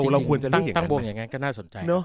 เออจริงตั้งบวงอย่างงั้นก็น่าสนใจ